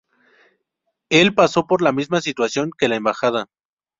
Él pasó por la misma situación que la embajada.